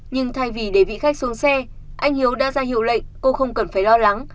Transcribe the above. nhưng thay vì để vị khách xuống xe anh hiếu đã ra hiệu lệnh cô không cần phải lo lắng